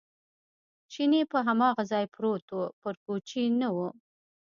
چیني په هماغه ځای پروت و، پر کوچې نه و.